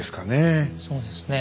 そうですね。